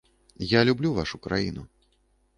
Я люблю вашу краіну.